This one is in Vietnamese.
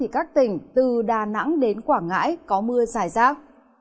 các tỉnh từ đà nẵng đến quảng ngãi có mưa dài rác